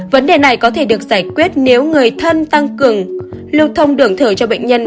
vấn đề này có thể được giải quyết nếu người thân tăng cường lưu thông đường thở cho bệnh nhân